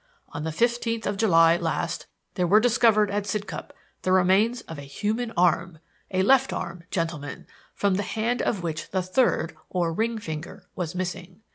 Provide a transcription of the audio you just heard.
On the fifteenth of July last there were discovered at Sidcup the remains of a human arm a left arm, gentlemen, from the hand of which the third, or ring, finger was missing.